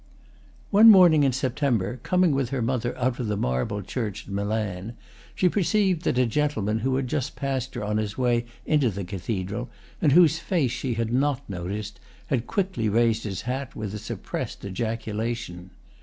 One morning in September, coming with her mother out of the marble church at Milan, she perceived that a gentleman who had just passed her on his way into the cathedral and whose face she had not noticed, had quickly raised his hat, with a suppressed ejaculation.